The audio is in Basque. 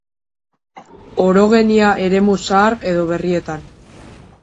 Orogenia eremu zahar edo berrietan.